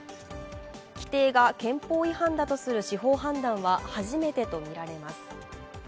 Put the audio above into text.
規定が憲法違反だとする司法判断は初めてとみられます。